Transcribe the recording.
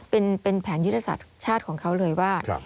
เป็นแผนยุทธศาสตร์ชาติของเขาเลยว่า